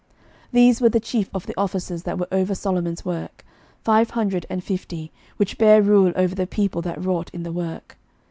11:009:023 These were the chief of the officers that were over Solomon's work, five hundred and fifty, which bare rule over the people that wrought in the work.